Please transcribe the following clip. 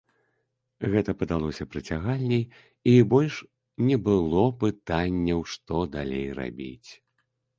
Гэта падалося прыцягальней, і больш не было пытанняў, што далей рабіць.